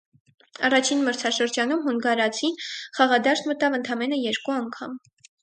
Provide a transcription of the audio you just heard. Առաջին մրցաշրջանում հունգարացին խաղադաշտ մտավ ընդամենը երկու անգամ։